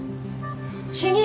主任！